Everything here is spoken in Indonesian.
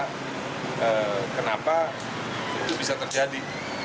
yang dipermasalahkan adalah kenapa itu bisa terjadi